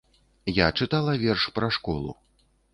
Я чытала верш пра школу.